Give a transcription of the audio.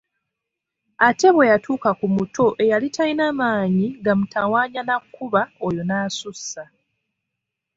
Ate bwe yatuuka ku muto eyali talina maanyi gamutawaanya n’akuba oyo n’asussa.